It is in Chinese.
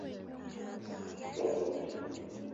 丫纹俳蛱蝶是蛱蝶科下的一种蝴蝶。